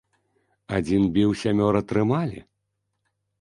Адзін біў, сямёра трымалі?